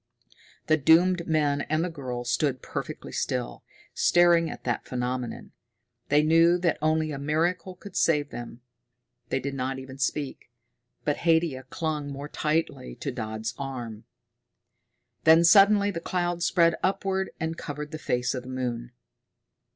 The doomed men and the girl stood perfectly still, staring at that phenomenon. They knew that only a miracle could save them. They did not even speak, but Haidia clung more tightly to Dodd's arm. Then suddenly the cloud spread upward and covered the face of the moon.